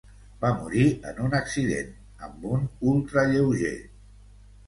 Va morir en un accident amb un ultralleuger.